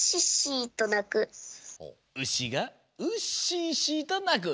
「うしがうっしっしとなく」。